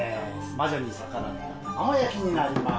魔女に逆らった卵焼きになります。